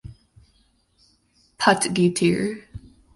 Potgieter.